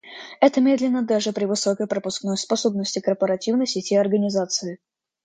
Это медленно даже при высокой пропускной способности корпоративной сети организации